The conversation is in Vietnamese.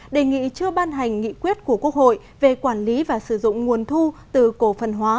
đề nghị chưa ban hành nghị quyết của quốc hội về quản lý và sử dụng nguồn thu từ cổ phần hóa